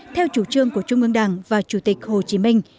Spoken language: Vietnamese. theo chủ trương của trung ương đảng và chủ tịch hồ chí minh